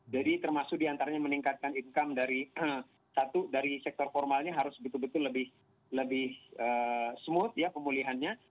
jadi termasuk diantaranya meningkatkan income dari sektor formalnya harus betul betul lebih smooth ya pemulihannya